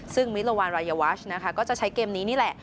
ซึ่งมิลวานรายวัชนะคะก็จะใช้เกมนี้นี่แหละ